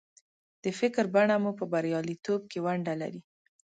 د فکر بڼه مو په برياليتوب کې ونډه لري.